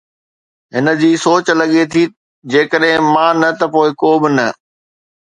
هنن جي سوچ لڳي ٿي، جيڪڏهن مان نه ته پوءِ ڪو به نه.